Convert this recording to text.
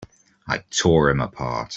I tore him apart!